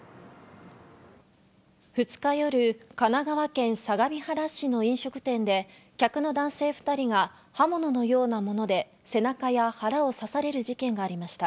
２日夜、神奈川県相模原市の飲食店で客の男性２人が刃物のようなもので背中や腹を刺される事件がありました。